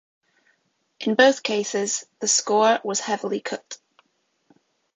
In both cases, the score was heavily cut.